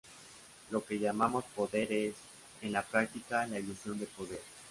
Lo que llamamos "poder" es, "en la práctica, la ilusión de poder".